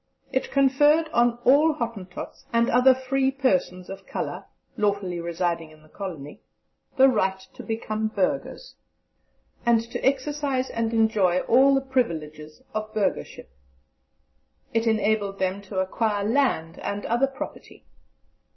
"It conferred on all Hottentots and other free persons of colour lawfully residing in the Colony, the right to become burghers, and to exercise and enjoy all the privileges of burghership. It enabled them to acquire land and other property.